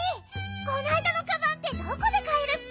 こないだのカバンってどこでかえるッピ？